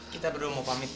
kita berdua mau pamit bu